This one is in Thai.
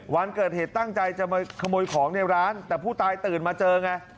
วันเกิดเหตุตั้งใจจะมาขโมยของในร้านแต่ผู้ตายตื่นมาเจอไง